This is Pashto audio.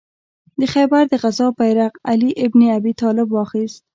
د خیبر د غزا بیرغ علي ابن ابي طالب واخیست.